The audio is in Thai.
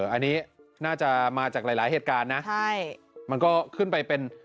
อันนี้น่าจะมาจากหลายเหตุการณ์นะ